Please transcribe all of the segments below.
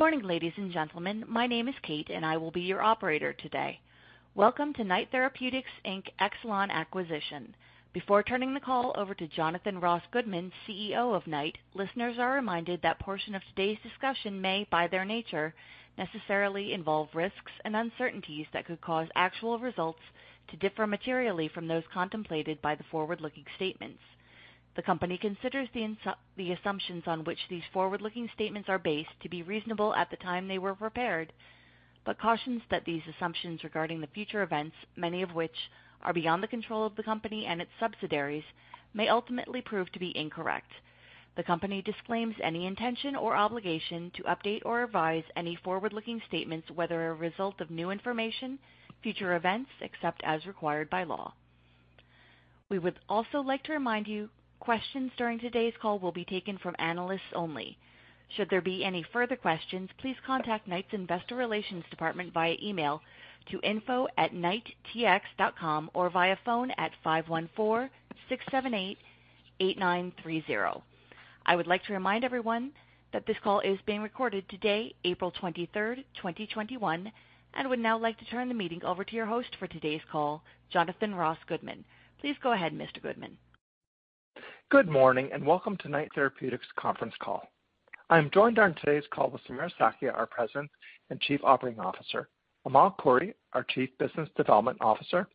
Good morning, ladies and gentlemen. My name is Kate, and I will be your operator today. Welcome to Knight Therapeutics, Inc., Exelon acquisition. Before turning the call over to Jonathan Ross Goodman, CEO of Knight, listeners are reminded that portion of today's discussion may, by their nature, necessarily involve risks and uncertainties that could cause actual results to differ materially from those contemplated by the forward-looking statements. The company considers the assumptions on which these forward-looking statements are based to be reasonable at the time they were prepared, but cautions that these assumptions regarding the future events, many of which are beyond the control of the company and its subsidiaries, may ultimately prove to be incorrect. The company disclaims any intention or obligation to update or revise any forward-looking statements, whether a result of new information, future events, except as required by law. We would also like to remind you, questions during today's call will be taken from analysts only. Should there be any further questions, please contact Knight's Investor Relations Department via email to info@knighttx.com or via phone at 514-678-8930. I would like to remind everyone that this call is being recorded today, April 23rd, 2021, and would now like to turn the meeting over to your host for today's call, Jonathan Ross Goodman. Please go ahead, Mr. Goodman. Good morning, welcome to Knight Therapeutics' conference call. I am joined on today's call with Samira Sakhia, our President and Chief Operating Officer, Amal Khouri, our Chief Business Development Officer,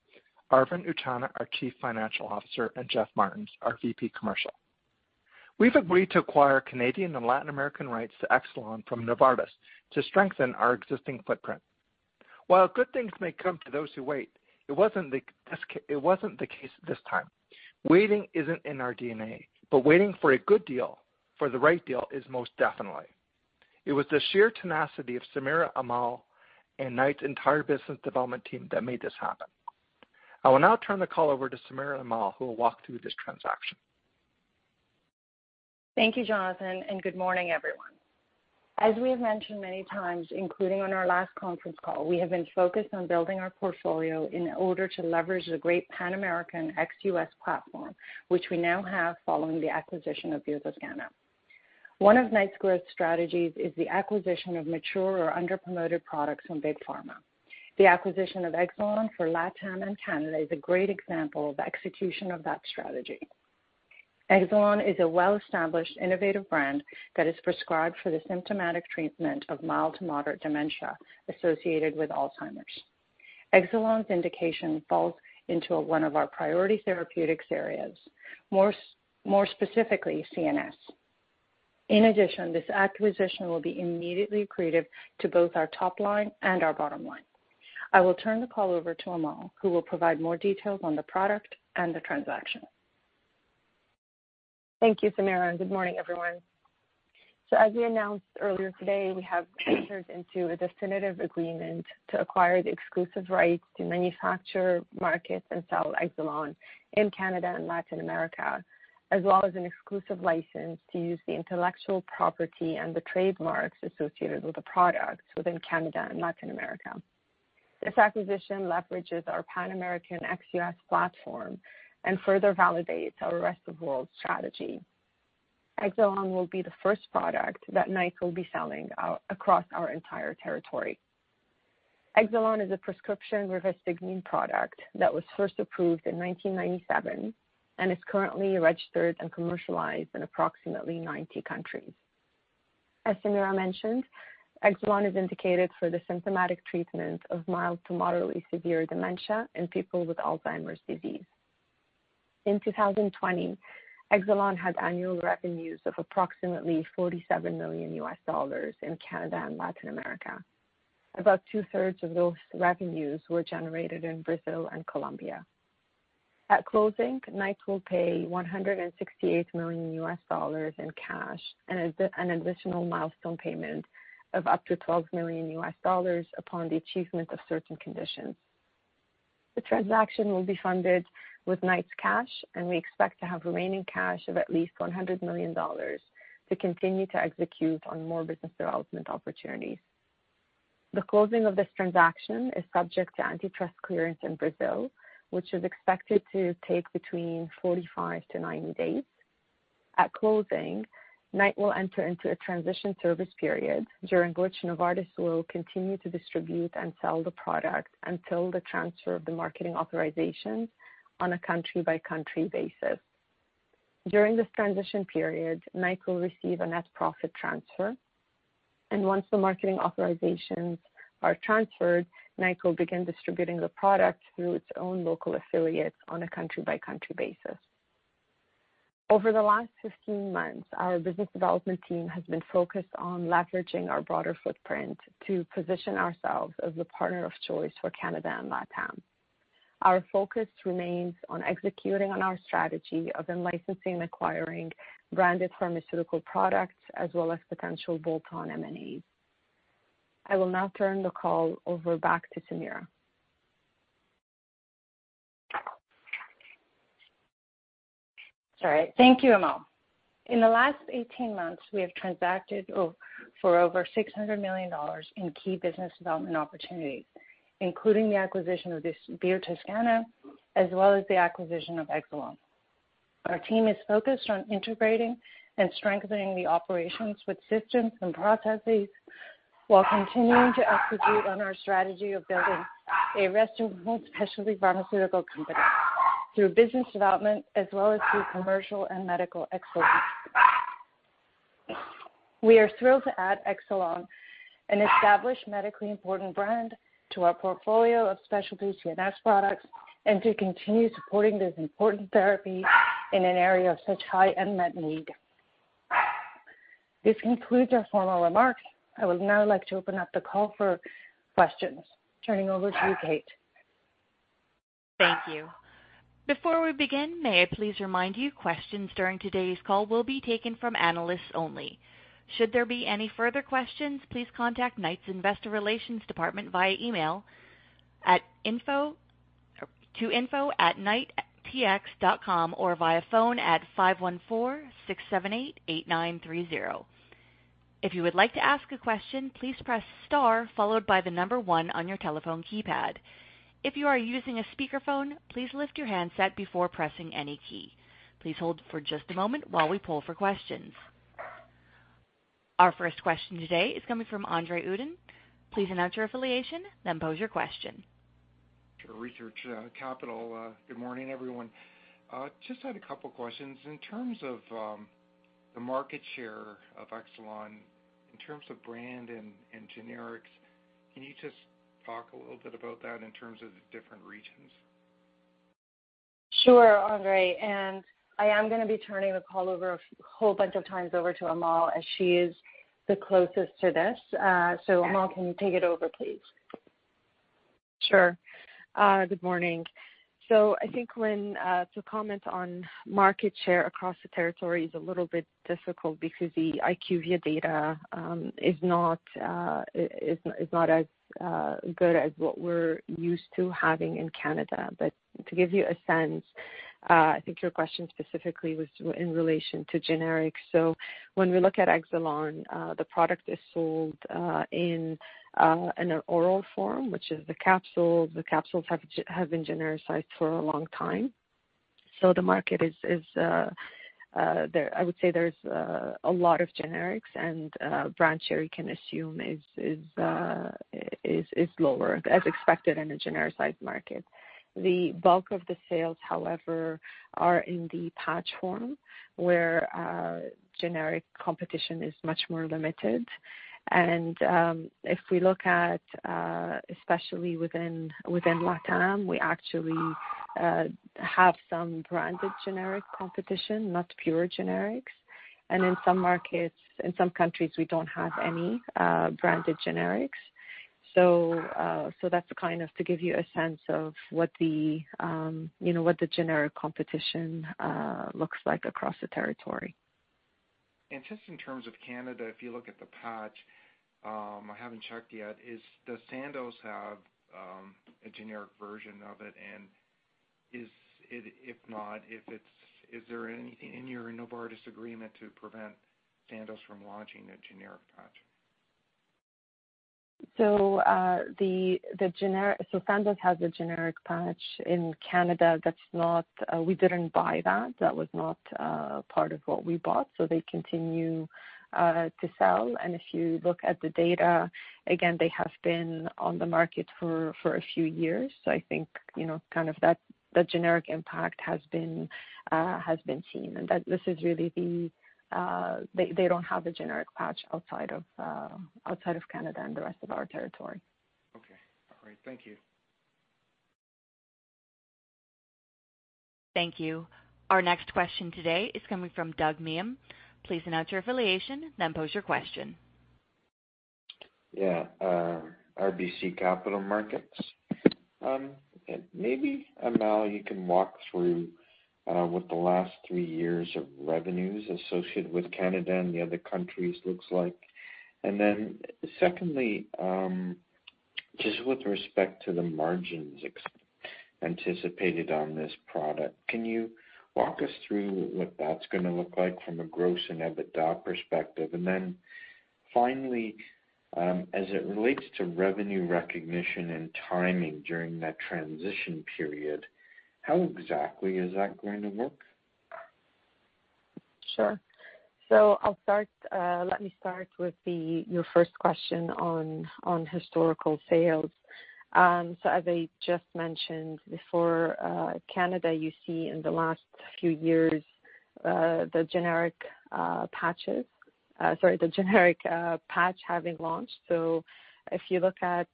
Arvind Utchanah, our Chief Financial Officer, and Jeff Martens, our VP Commercial. We've agreed to acquire Canadian and Latin American rights to Exelon from Novartis to strengthen our existing footprint. While good things may come to those who wait, it wasn't the case this time. Waiting isn't in our DNA, waiting for a good deal, for the right deal is most definitely. It was the sheer tenacity of Samira, Amal, and Knight's entire business development team that made this happen. I will now turn the call over to Samira and Amal, who will walk through this transaction. Thank you, Jonathan, and good morning, everyone. As we have mentioned many times, including on our last conference call, we have been focused on building our portfolio in order to leverage the great Pan-American ex-U.S. platform, which we now have following the acquisition of Grupo Biotoscana. One of Knight's growth strategies is the acquisition of mature or underpromoted products from Big Pharma. The acquisition of Exelon for LATAM and Canada is a great example of execution of that strategy. Exelon is a well-established innovative brand that is prescribed for the symptomatic treatment of mild to moderate dementia associated with Alzheimer's. Exelon's indication falls into one of our priority therapeutics areas, more specifically CNS. In addition, this acquisition will be immediately accretive to both our top line and our bottom line. I will turn the call over to Amal, who will provide more details on the product and the transaction. Thank you, Samira, and good morning, everyone. As we announced earlier today, we have entered into a definitive agreement to acquire the exclusive rights to manufacture, market, and sell Exelon in Canada and Latin America, as well as an exclusive license to use the intellectual property and the trademarks associated with the product within Canada and Latin America. This acquisition leverages our Pan-American ex-U.S. platform and further validates our rest-of-world strategy. Exelon will be the first product that Knight will be selling across our entire territory. Exelon is a prescription rivastigmine product that was first approved in 1997 and is currently registered and commercialized in approximately 90 countries. As Samira mentioned, Exelon is indicated for the symptomatic treatment of mild to moderately severe dementia in people with Alzheimer's disease. In 2020, Exelon had annual revenues of approximately $47 million in Canada and Latin America. About two-thirds of those revenues were generated in Brazil and Colombia. At closing, Knight will pay $168 million in cash and an additional milestone payment of up to $12 million upon the achievement of certain conditions. The transaction will be funded with Knight's cash, and we expect to have remaining cash of at least 100 million dollars to continue to execute on more business development opportunities. The closing of this transaction is subject to antitrust clearance in Brazil, which is expected to take between 45 to 90 days. At closing, Knight will enter into a transition service period during which Novartis will continue to distribute and sell the product until the transfer of the marketing authorizations on a country-by-country basis. During this transition period, Knight will receive a net profit transfer, and once the marketing authorizations are transferred, Knight will begin distributing the product through its own local affiliates on a country-by-country basis. Over the last 15 months, our business development team has been focused on leveraging our broader footprint to position ourselves as the partner of choice for Canada and LATAM. Our focus remains on executing on our strategy of in-licensing and acquiring branded pharmaceutical products as well as potential bolt-on M&As. I will now turn the call over back to Samira. Sorry. Thank you, Amal. In the last 18 months, we have transacted for over 600 million dollars in key business development opportunities, including the acquisition of Grupo Biotoscana, as well as the acquisition of Exelon. Our team is focused on integrating and strengthening the operations with systems and processes while continuing to execute on our strategy of building a reputable specialty pharmaceutical company through business development as well as through commercial and medical excellence. We are thrilled to add Exelon, an established medically important brand, to our portfolio of specialty CNS products and to continue supporting this important therapy in an area of such high unmet need. This concludes our formal remarks. I would now like to open up the call for questions. Turning over to you, Kate. Thank you. Before we begin, may I please remind you, questions during today's call will be taken from analysts only. Should there be any further questions, please contact Knight's Investor Relations Department via email to info@knighttx.com or via phone at 514-678-8930. Our first question today is coming from Andre Uddin. Please announce your affiliation, then pose your question. Andre Uddin, Research Capital. Good morning, everyone. Just had a couple questions. In terms of the market share of Exelon, in terms of brand and generics, can you just talk a little bit about that in terms of the different regions? Sure, Andre, I am going to be turning the call over a whole bunch of times over to Amal as she is the closest to this. Amal, can you take it over, please? Sure. Good morning. I think to comment on market share across the territory is a little bit difficult because the IQVIA data is not as good as what we're used to having in Canada. To give you a sense, I think your question specifically was in relation to generics. When we look at Exelon, the product is sold in an oral form, which is the capsules. The capsules have been genericized for a long time. The market is, I would say there's a lot of generics, and brand share you can assume is lower as expected in a genericized market. The bulk of the sales, however, are in the patch form, where generic competition is much more limited. If we look at, especially within Latam, we actually have some branded generic competition, not pure generics. In some markets, in some countries, we don't have any branded generics. That's to give you a sense of what the generic competition looks like across the territory. Just in terms of Canada, if you look at the patch, I haven't checked yet. Does Sandoz have a generic version of it? If not, is there any Novartis agreement to prevent Sandoz from launching a generic patch? Sandoz has a generic patch in Canada that we didn't buy that. That was not part of what we bought. They continue to sell. If you look at the data, again, they have been on the market for a few years. I think the generic impact has been seen, and they don't have a generic patch outside of Canada and the rest of our territory. Okay. All right. Thank you. Thank you. Our next question today is coming from Douglas Miehm. Please announce your affiliation, then pose your question. Yeah, RBC Capital Markets. Maybe, Amal, you can walk through what the last three years of revenues associated with Canada and the other countries looks like. Secondly, just with respect to the margins anticipated on this product, can you walk us through what that's going to look like from a gross and EBITDA perspective? Finally, as it relates to revenue recognition and timing during that transition period, how exactly is that going to look? Sure. Let me start with your first question on historical sales. As I just mentioned before, Canada, you see in the last few years, the generic patch having launched. If you look at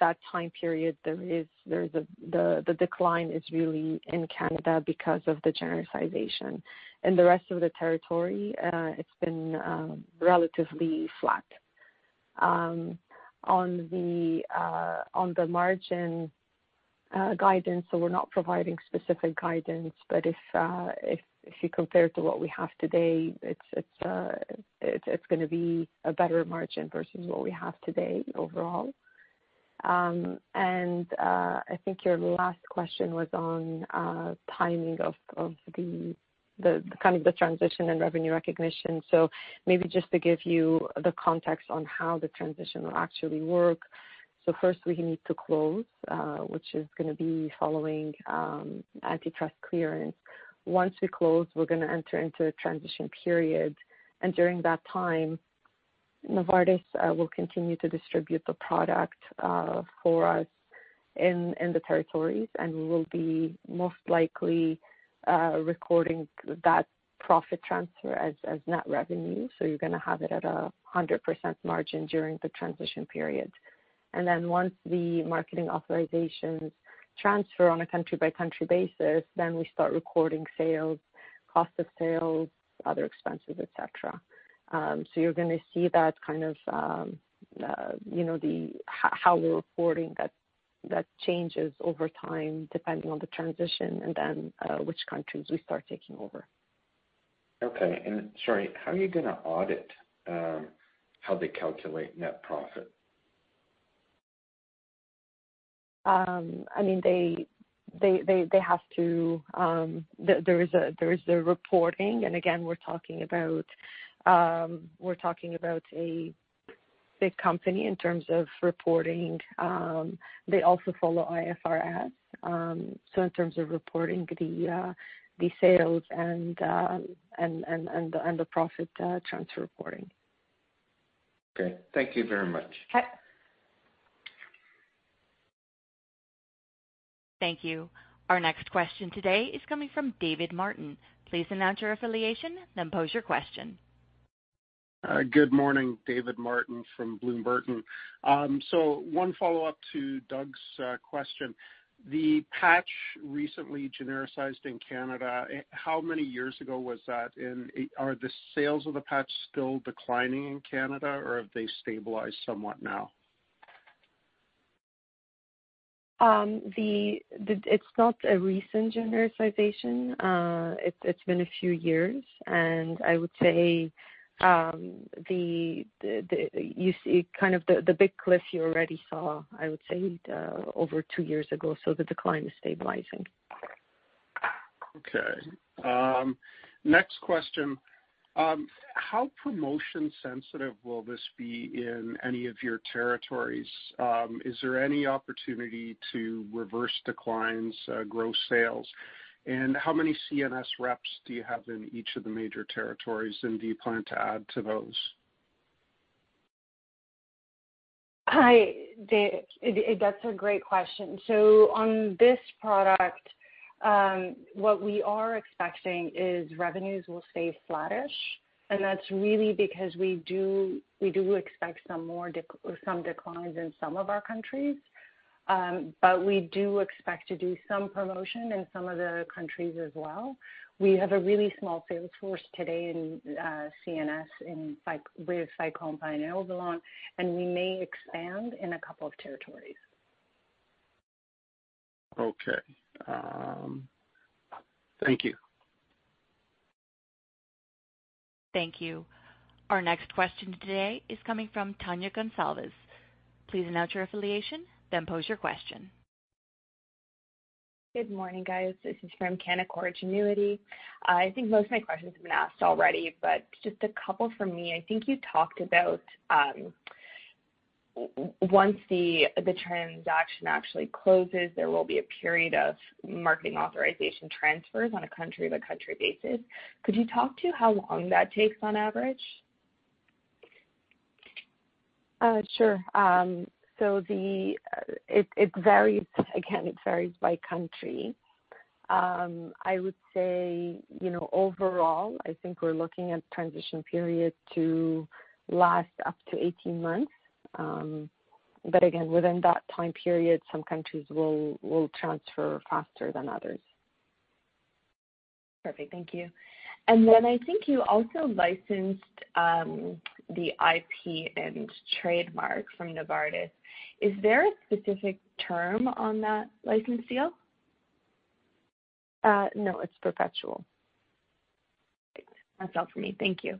that time period, the decline is really in Canada because of the genericization. In the rest of the territory, it's been relatively flat. On the margin guidance, we're not providing specific guidance, but if you compare to what we have today, it's going to be a better margin versus what we have today overall. I think your last question was on timing of the transition and revenue recognition. Maybe just to give you the context on how the transition will actually work. First we need to close, which is going to be following antitrust clearance. Once we close, we're going to enter into a transition period, and during that time, Novartis will continue to distribute the product for us in the territories, and we will be most likely recording that profit transfer as net revenue. You're going to have it at 100% margin during the transition period. Once the marketing authorizations transfer on a country-by-country basis, we start recording sales, cost of sales, other expenses, et cetera. You're going to see how we're reporting that changes over time, depending on the transition and then which countries we start taking over. Okay. Sorry, how are you going to audit how they calculate net profit? There is the reporting. Again, we're talking about a big company in terms of reporting. They also follow IFRS. In terms of reporting the sales and the profit transfer reporting. Okay. Thank you very much. Okay. Thank you. Our next question today is coming from David Martin. Please announce your affiliation, then pose your question. Good morning, David Martin from Bloom Burton. One follow-up to Doug's question. The patch recently genericized in Canada, how many years ago was that? Are the sales of the patch still declining in Canada, or have they stabilized somewhat now? It's not a recent genericization. It's been a few years, and I would say, the big cliff you already saw, I would say, over two years ago, so the decline is stabilizing. Okay. Next question. How promotion sensitive will this be in any of your territories? Is there any opportunity to reverse declines, grow sales? How many CNS reps do you have in each of the major territories, and do you plan to add to those? Hi, David. That's a great question. On this product, what we are expecting is revenues will stay flattish. That's really because we do expect some declines in some of our countries. We do expect to do some promotion in some of the countries as well. We have a really small sales force today in CNS with CYKLOKAPRON and Auvelity, and we may expand in a couple of territories. Okay. Thank you. Thank you. Our next question today is coming from Tania Gonsalves. Please announce your affiliation, then pose your question. Good morning, guys. This is from Canaccord Genuity. I think most of my questions have been asked already. Just a couple from me. I think you talked about once the transaction actually closes, there will be a period of marketing authorization transfers on a country-by-country basis. Could you talk to how long that takes on average? Sure. Again, it varies by country. I would say, overall, I think we're looking at transition period to last up to 18 months. Again, within that time period, some countries will transfer faster than others. Perfect. Thank you. I think you also licensed the IP and trademark from Novartis. Is there a specific term on that license deal? No, it's perpetual. Great. That's all for me. Thank you.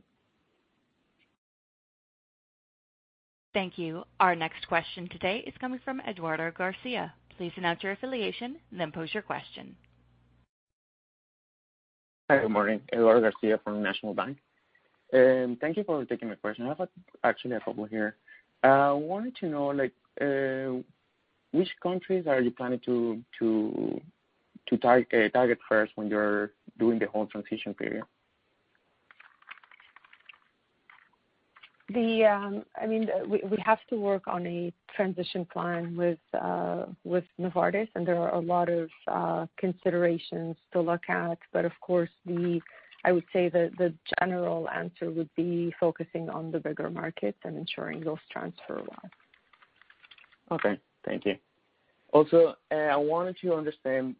Thank you. Our next question today is coming from Eduardo Garcia. Please announce your affiliation, then pose your question. Hi, good morning. Eduardo Garcia from National Bank. Thank you for taking my question. I have actually a couple here. Wanted to know which countries are you planning to target first when you're doing the whole transition period? We have to work on a transition plan with Novartis, and there are a lot of considerations to look at. Of course, I would say the general answer would be focusing on the bigger markets and ensuring those transfer well. Okay. Thank you. I wanted to understand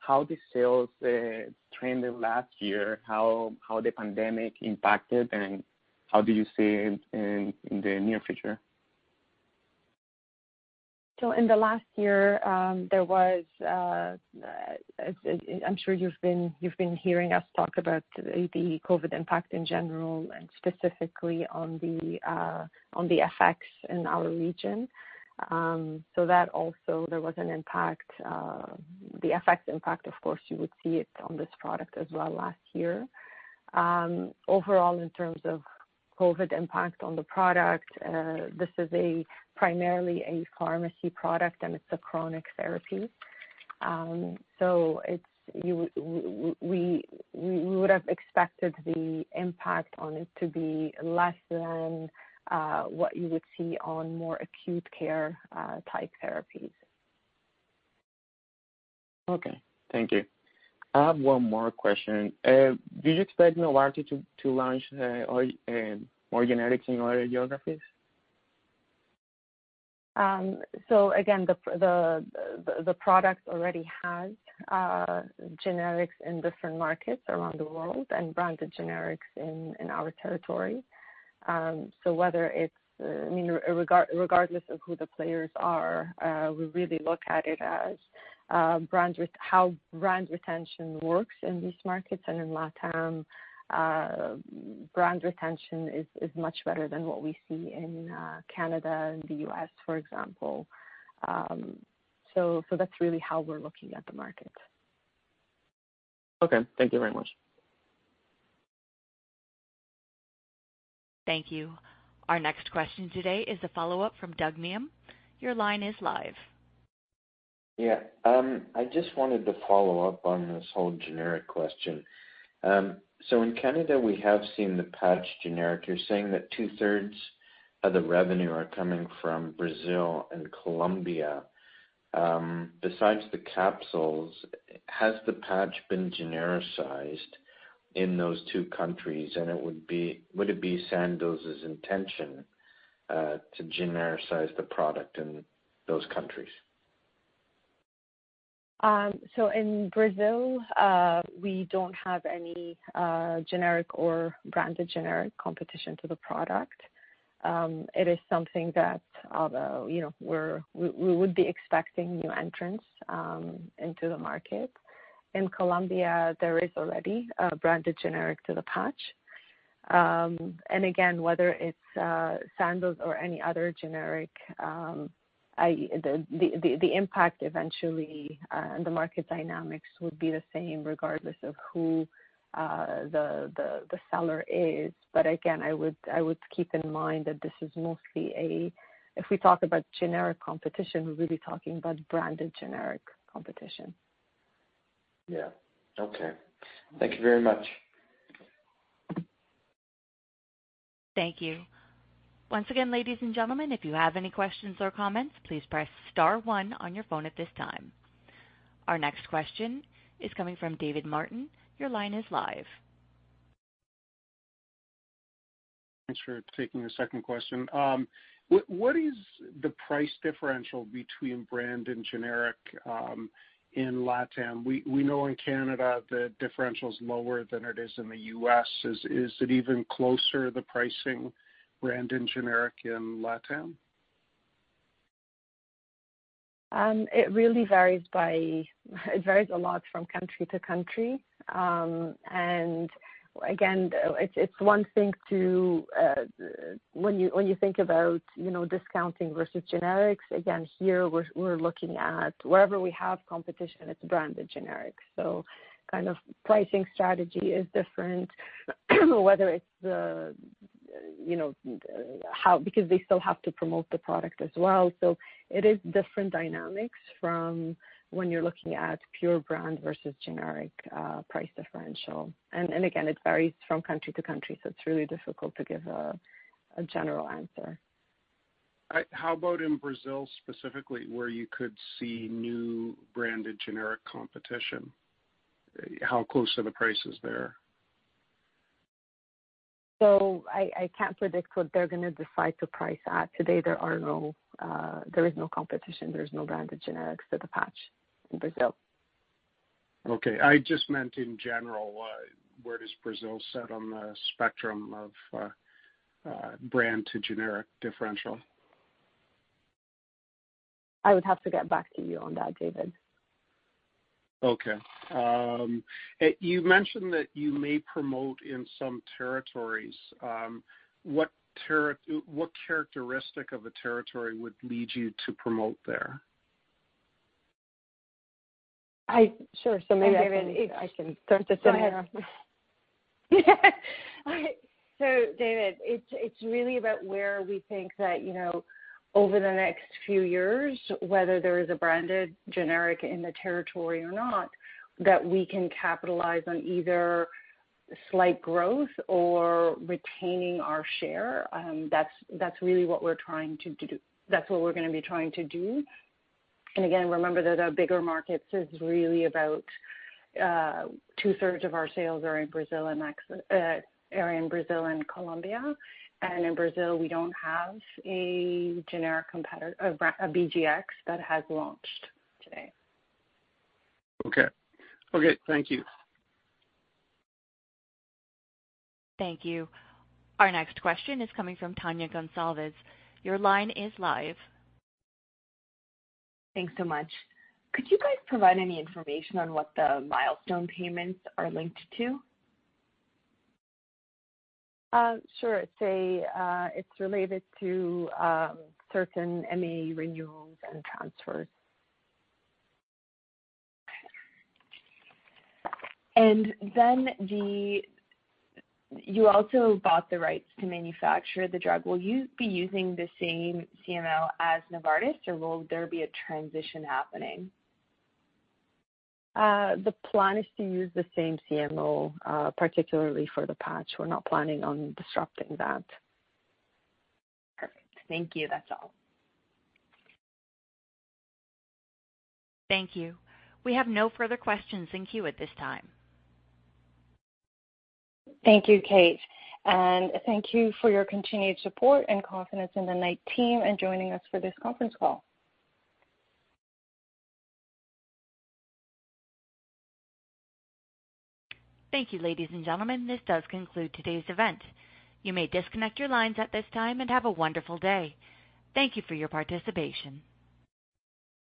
how the sales trended last year, how the pandemic impacted, and how do you see in the near future? In the last year, I'm sure you've been hearing us talk about the COVID impact in general and specifically on the FX in our region. That also, there was an impact. The FX impact, of course, you would see it on this product as well last year. Overall, in terms of COVID impact on the product, this is primarily a pharmacy product, and it's a chronic therapy. We would have expected the impact on it to be less than what you would see on more acute care type therapies. Okay. Thank you. I have one more question. Do you expect Novartis to launch more generics in other geographies? Again, the product already has generics in different markets around the world and branded generics in our territory. Regardless of who the players are, we really look at it as how brand retention works in these markets. In LATAM, brand retention is much better than what we see in Canada and the U.S., for example. That's really how we're looking at the market. Okay. Thank you very much. Thank you. Our next question today is a follow-up from Douglas Miehm. Your line is live. Yeah. I just wanted to follow up on this whole generic question. In Canada, we have seen the patch generic. You're saying that two-thirds of the revenue are coming from Brazil and Colombia. Besides the capsules, has the patch been genericized in those two countries, and would it be Sandoz's intention to genericize the product in those countries? In Brazil, we don't have any generic or branded generic competition to the product. It is something that although we would be expecting new entrants into the market. In Colombia, there is already a branded generic to the patch. Again, whether it's Sandoz or any other generic, the impact eventually and the market dynamics would be the same regardless of who the seller is. Again, I would keep in mind that this is mostly if we talk about generic competition, we're really talking about branded generic competition. Yeah. Okay. Thank you very much. Thank you. Once again, ladies and gentlemen, if you have any questions or comments, please press star one on your phone at this time. Our next question is coming from David Martin. Your line is live. Thanks for taking a second question. What is the price differential between brand and generic in LATAM? We know in Canada the differential is lower than it is in the U.S. Is it even closer, the pricing, brand and generic in LATAM? It really varies a lot from country to country. Again, it's one thing. When you think about discounting versus generics, again, here we're looking at wherever we have competition, it's branded generics. Pricing strategy is different, because they still have to promote the product as well. It is different dynamics from when you're looking at pure brand versus generic price differential. Again, it varies from country to country, so it's really difficult to give a general answer. How about in Brazil specifically, where you could see new branded generic competition? How close are the prices there? I can't predict what they're going to decide to price at. Today, there is no competition. There's no branded generics for the patch in Brazil. Okay. I just meant in general, where does Brazil set on the spectrum of brand to generic differential? I would have to get back to you on that, David. Okay. You mentioned that you may promote in some territories. What characteristic of a territory would lead you to promote there? Sure. maybe I can- Hi, Maybe. I can start this one off. Go ahead. David Martin, it's really about where we think that over the next few years, whether there is a branded generic in the territory or not, that we can capitalize on either slight growth or retaining our share. That's really what we're going to be trying to do. Again, remember that our bigger markets is really about two-thirds of our sales are in Brazil and Colombia. In Brazil, we don't have a BGx that has launched today. Okay. Thank you. Thank you. Our next question is coming from Tania Gonsalves. Your line is live. Thanks so much. Could you guys provide any information on what the milestone payments are linked to? Sure. It's related to certain MA renewals and transfers. You also bought the rights to manufacture the drug. Will you be using the same CMO as Novartis, or will there be a transition happening? The plan is to use the same CMO, particularly for the patch. We're not planning on disrupting that. Perfect. Thank you. That's all. Thank you. We have no further questions in queue at this time. Thank you, Kate. Thank you for your continued support and confidence in the Knight team, and joining us for this conference call. Thank you, ladies and gentlemen. This does conclude today's event. You may disconnect your lines at this time, and have a wonderful day. Thank you for your participation.